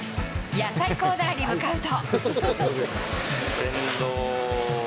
野菜コーナーに向かうと。